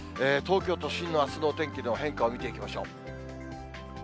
東京都心のあすのお天気の変化を見てみましょう。